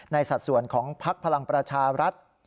สัดส่วนของพักพลังประชารัฐ